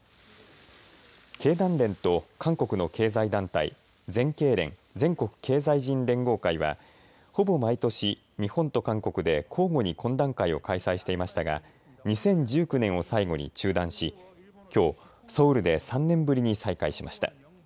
経団連と韓国の経済団体、全経連・全国経済人連合会はほぼ毎年、日本と韓国で交互に懇談会を開催していましたが２０１９年を最後に中断しきょうソウルで３年ぶりに再開しました。